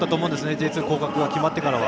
Ｊ２降格が決まってからは。